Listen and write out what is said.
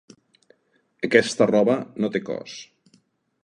Aquesta roba no té cos.